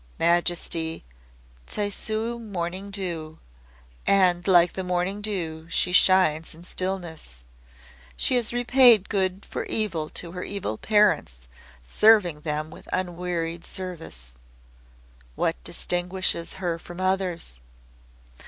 "Majesty, Tsuyu Morning Dew. And like the morning dew she shines in stillness. She has repaid good for evil to her evil parents, serving them with unwearied service." "What distinguishes her from others?"